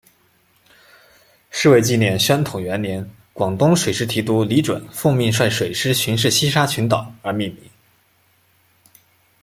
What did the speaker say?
是为纪念宣统元年广东水师提督李准奉命率水师巡视西沙群岛而命名。